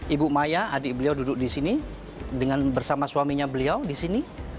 ibu maya adik beliau duduk di sini bersama suaminya beliau di sini